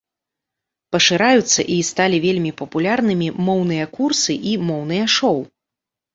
Пашыраюцца і сталі вельмі папулярнымі моўныя курсы і моўныя шоў.